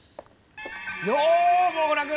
ようもぐら君！